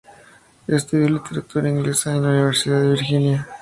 Estudió Literatura Inglesa en la Universidad de Virginia.